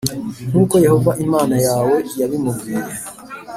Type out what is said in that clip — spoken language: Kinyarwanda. nk’uko Yehova Imana yawe yabimubwiye.